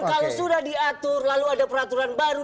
kalau sudah diatur lalu ada peraturan baru